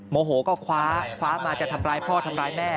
โมโหก็คว้าคว้ามาจะทำร้ายพ่อทำร้ายแม่